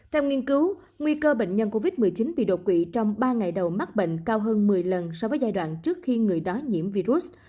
theo nghiên cứu nguy cơ bệnh nhân covid một mươi chín bị đột quỵ trong ba ngày đầu mắc bệnh cao hơn một mươi lần so với giai đoạn trước khi người đó nhiễm virus